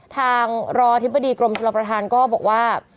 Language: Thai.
รองอธิบดีกรมชลประธานก็บอกว่า